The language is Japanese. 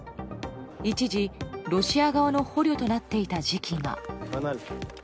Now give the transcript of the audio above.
一時、ロシア側の捕虜となっていた時期が。